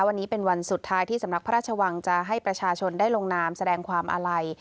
วันนี้เป็นวันสุดท้ายที่สำนักพระราชวังจะให้ประชาชนได้ลงนามแสดงความอาลัย